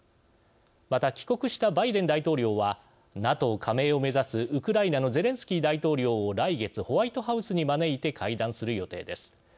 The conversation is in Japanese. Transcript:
また、帰国したバイデン大統領はＮＡＴＯ加盟を目指すウクライナのゼレンスキー大統領を来月ホワイトハウスに招いて会談する予定です。